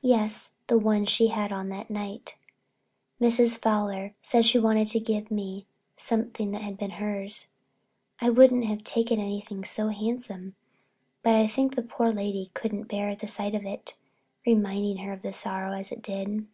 "Yes, the one she had on that night. Mrs. Fowler said she wanted to give me something that had been hers. I wouldn't have taken anything so handsome but I think the poor lady couldn't bear the sight of it, reminding her of her sorrow as it did."